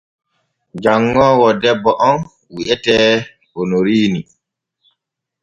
Janŋoowo debbo on wi’etee Onoriini.